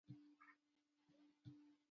دغو مېرمنو به چپ لاس هېڅ شي ته نه ور ټیټاوه.